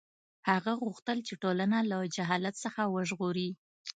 هغه غوښتل چې ټولنه له جهالت څخه وژغوري.